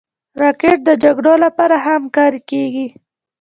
راکټ د جګړو لپاره هم کارېږي